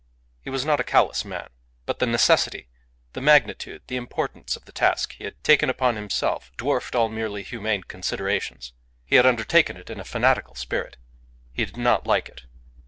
He was not a callous man. But the necessity, the magnitude, the importance of the task he had taken upon himself dwarfed all merely humane considerations. He had undertaken it in a fanatical spirit. He did not like it.